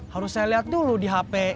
harus saya lihat dulu di hp